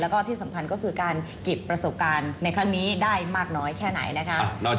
แล้วก็ที่สำคัญก็คือการเก็บประสบการณ์ในครั้งนี้ได้มากน้อยแค่ไหนนะคะ